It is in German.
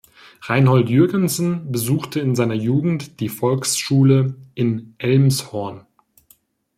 Reinhold Jürgensen besuchte in seiner Jugend die Volksschule in Elmshorn.